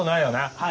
はい。